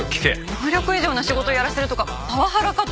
能力以上の仕事をやらせるとかパワハラかと。